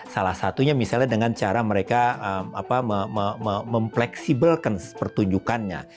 salah satunya misalnya dengan cara mereka mempleksibelkan pertunjukannya